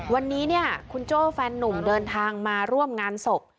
วันนี้เนี่ยคุณโจ้แฟนนุ่มเดินทางมาร่วมงานศพ